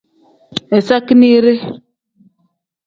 Iza keeniire.